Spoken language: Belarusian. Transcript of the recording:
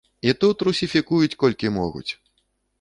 І тут русіфікуюць колькі могуць.